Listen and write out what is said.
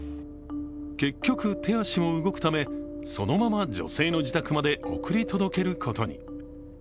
結局、手足も動くためそのまま女性の自宅まで送り届けることに。